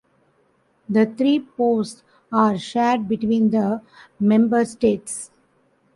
The three posts are shared between the Member States.